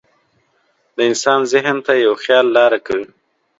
د انسان ذهن ته یو خیال لاره کوي.